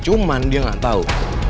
cuman dia gak tau